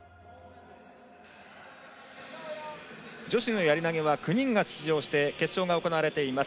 女子のやり投げは９人が出場して決勝が行われています。